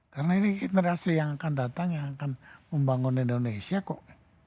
karena ini internasi yang akan datang yang akan membangun indonesia kok